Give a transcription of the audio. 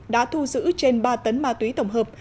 đã thu giữ trên ba tấn ma túy tổng hợp